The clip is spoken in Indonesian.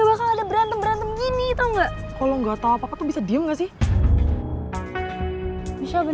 bu arguably standpointnya sya dislain aku